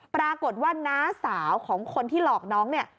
ปรากฏว่าน้าสาวของคนที่หลอกน้องเนี่ย